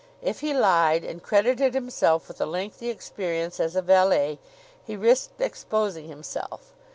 If he lied and credited himself with a lengthy experience as a valet, he risked exposing himself.